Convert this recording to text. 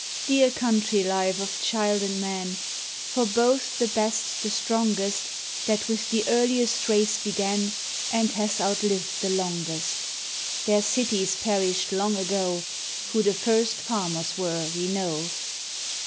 Dear country life of child and man! For both the best, the strongest, That with the earliest race began, And hast outlived the longest: Their cities perished long ago; Who the first farmers were we know.